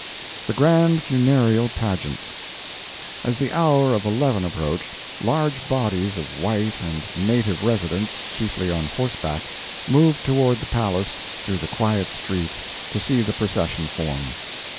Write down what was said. THE GRAND FUNEREAL PAGEANT As the hour of eleven approached, large bodies of white and native residents, chiefly on horseback, moved toward the palace through the quiet streets, to see the procession form.